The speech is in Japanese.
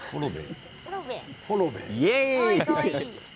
イエーイ！